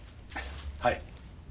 はい。